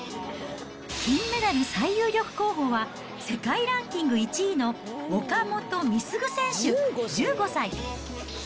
金メダル最有力候補は、世界ランキング１位の岡本碧優選手１５歳。